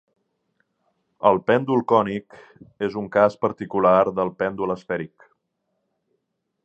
El pèndol cònic és un cas particular del pèndol esfèric.